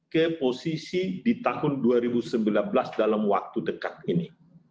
ke posisi di tahun dua ribu sembilan belas dalam waktu dekat ini